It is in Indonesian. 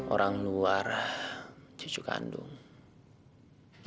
orang luar cucu kandung